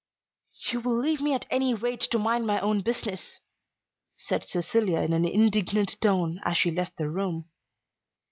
"You will leave me at any rate to mind my own business," said Cecilia in an indignant tone as she left the room.